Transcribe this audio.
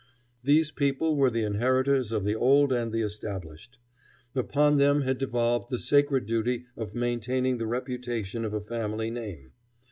These people were the inheritors of the old and the established. Upon them had devolved the sacred duty of maintaining the reputation of a family name.